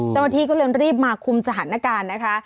เจ้าพระที่ก็เริ่มรีบมาคุมสถานการณ์นะคะ